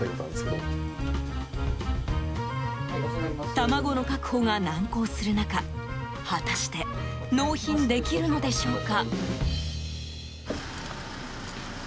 卵の確保が難航する中果たして納品できるのでしょうか。